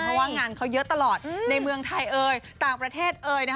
เพราะว่างานเขาเยอะตลอดในเมืองไทยเอ่ยต่างประเทศเอ่ย